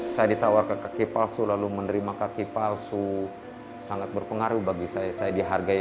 saya ditawarkan kaki palsu lalu menerima kaki palsu sangat berpengaruh bagi saya saya dihargai